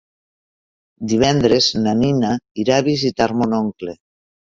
Divendres na Nina irà a visitar mon oncle.